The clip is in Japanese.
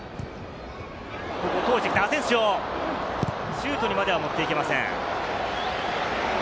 シュートにまでは持っていけません。